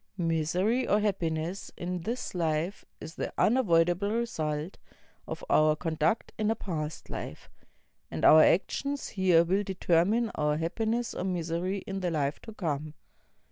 IMisery or happiness in this life is the unavoidable result of our conduct in a past Hf e ; and our actions here will determine our happiness or miser\ in the Hfe to come.